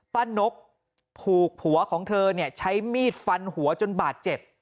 นกถูกผัวของเธอใช้มีดฟันหัวจนบาดเจ็บ